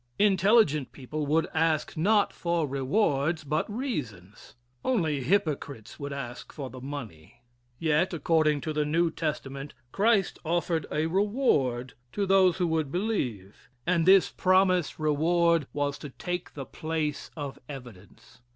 Intelligent people would ask not for rewards, but reasons. Only hypocrites would ask for the money. Yet, according to the New Testament, Christ offered a reward to those who would believe, and this promised reward was to take the place of evidence.